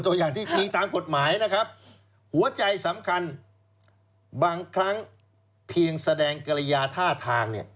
ตัวอย่างที่ดีตามกฎหมายนะครับหัวใจสำคัญบางครั้งเพียงแสดงกรยาท่าทางเนี่ย